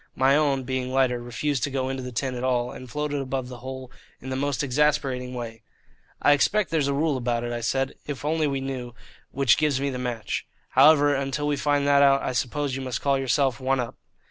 My own, being lighter, refused to go into the tin at all, and floated above the hole in the most exasperating way. "I expect there's a rule about it," I said, "if we only knew, which gives me the match. However, until we find that out, I suppose you must call yourself one up."